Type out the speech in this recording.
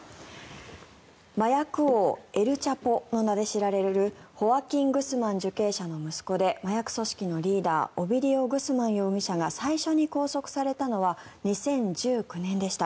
麻薬王、エル・チャポの名で知られるホアキン・グスマン受刑者の息子で麻薬組織のリーダーオビディオ・グスマン容疑者が最初に拘束されたのは２０１９年でした。